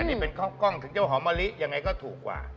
นี่เป็นข้าวกล้องถึงจะหอมมะลิยังไงก็ถูกกว่า